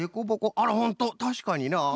あらほんとたしかになあ。